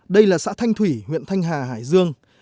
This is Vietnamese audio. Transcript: đây là xã thanh thủy huyện thanh hà hải dương